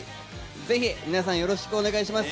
ぜひ皆さん、よろしくお願いします。